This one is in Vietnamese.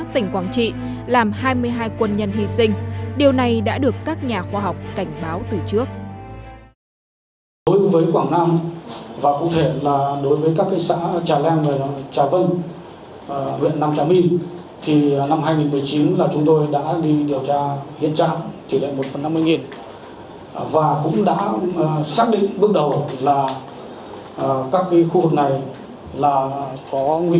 tỉnh quảng trị làm hai mươi hai quân nhân hy sinh điều này đã được các nhà khoa học cảnh báo từ trước